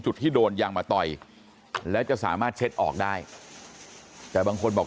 ที่โดนยางมาต่อยแล้วจะสามารถเช็ดออกได้แต่บางคนบอก